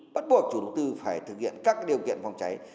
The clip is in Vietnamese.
bắt buộc chủ đầu tư phải thực hiện các điều kiện phòng cháy